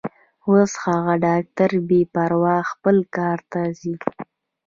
اوس هغه ډاکټره بې پروا خپل کار ته ځي.